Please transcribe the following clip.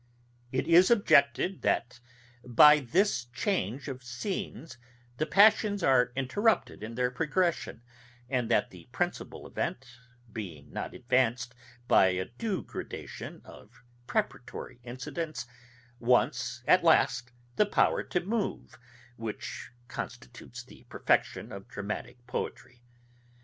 It is objected, that by this change of scenes the passions are interrupted in their progression, and that the principal event, being not advanced by a due gradation of preparatory incidents, wants at last the power to move, which constitutes the perfection of dramatick poetry.